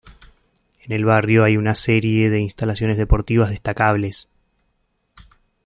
En el barrio hay una serie de instalaciones deportivas destacables.